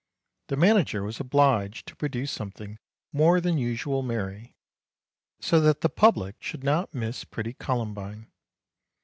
The manager was obliged to produce something more than usually merry, so that the public should not miss pretty Columbine.